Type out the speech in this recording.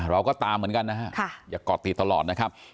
เราก็ตามเหมือนกันนะฮะอย่ากอดติดตลอดนะครับ